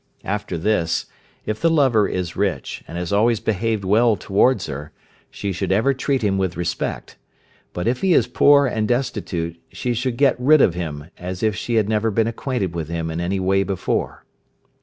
After this, if the lover is rich, and has always behaved well towards her, she should ever treat him with respect; but if he is poor and destitute, she should get rid of him as if she had never been acquainted with him in any way before.